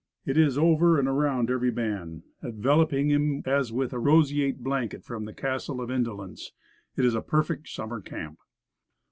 It is over and around every man, enveloping him as with a roseate blanket from the Castle of Indolence. It is the perfect summer camp.